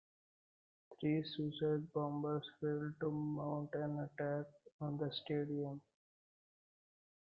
Three suicide bombers failed to mount an attack on the stadium.